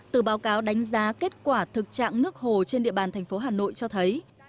từ báo cáo đánh giá kết quả thực trạng nước hồ trên địa bàn thành phố hà nội cho thấy